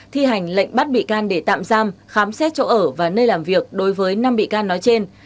thi hành lệnh bắt bị can để tạm giam khám xét chỗ ở và nơi làm việc đối với năm bị can nói trên